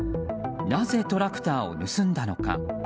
なぜトラクターを盗んだのか。